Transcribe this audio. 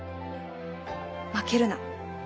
負けるな。